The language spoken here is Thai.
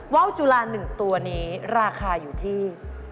ว่าวจุลา๑ตัวนี้ราคาอยู่ที่